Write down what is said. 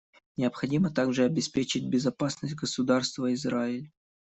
Необходимо также обеспечить безопасность Государства Израиль.